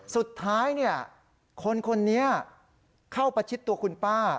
สุดท้ายเนี่ยคนเนี่ยเข้าไปชิดตัวคุณป้า